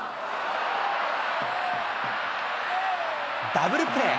ダブルプレー。